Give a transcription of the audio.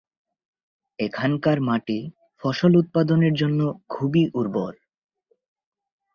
এখানকার মাটি ফসল উৎপাদনের জন্য খুবই উর্বর।